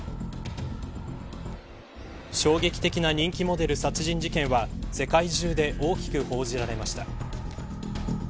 衝撃的な人気モデル殺人事件は世界中で大きく報じられました。